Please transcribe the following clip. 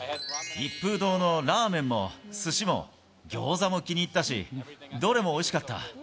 一風堂のラーメンもすしもギョーザも気に入ったし、どれもおいしかった。